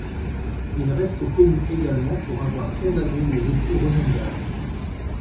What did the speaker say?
Il reste connu également pour avoir condamné les époux Rosenberg.